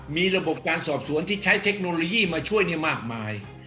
มีระบบการสอบสวนที่ใช้เทคโนโลยีมาช่วยมากมาย